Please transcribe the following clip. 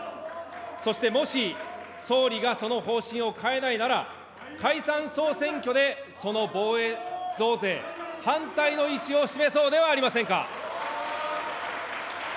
そしてもし、総理がその方針を変えないなら、解散・総選挙で、その防衛増税、反対の意思を示そうではありませんか。